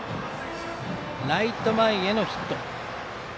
ライト前へのヒット。